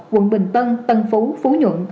quận bình tân tân phú phú nhuận